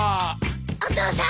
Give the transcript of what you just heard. お父さん！